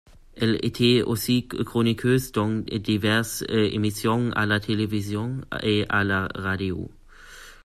Elle était aussi chroniqueuse dans diverses émissions à la télévision et à la radio.